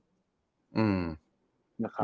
อืม